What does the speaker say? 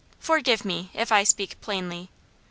Forgive me, if I speak plainly.